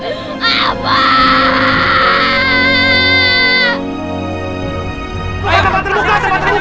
tempat terbuka tempat terbuka